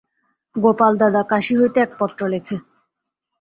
গোপালদাদা কাশী হইতে এক পত্র লেখে।